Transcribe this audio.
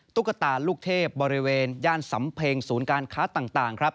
ตุ๊กตาลูกเทพบริเวณย่านสำเพ็งศูนย์การค้าต่างครับ